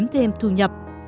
thêm thu nhập